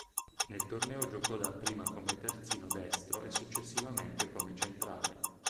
Nel torneo giocò dapprima come terzino destro e successivamente come centrale.